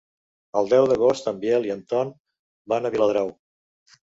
El deu d'agost en Biel i en Ton van a Viladrau.